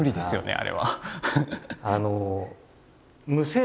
あれは。